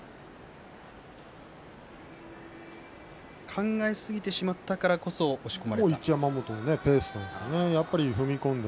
考えすぎてしまったからこそ押し込まれてしまったんですね。